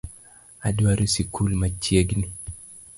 Adwaro sikul machiegni